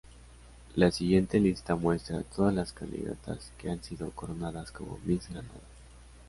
La siguiente lista muestra todas las candidatas que han sido coronadas como Miss Granada.